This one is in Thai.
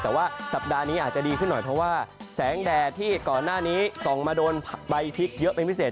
แต่ว่าสัปดาห์นี้อาจจะดีขึ้นหน่อยเพราะว่าแสงแดดที่ก่อนหน้านี้ส่องมาโดนใบพลิกเยอะเป็นพิเศษ